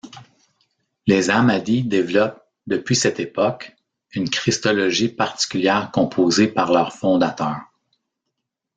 Les ahmadis développent, depuis cette époque, une christologie particulière composée par leur fondateur.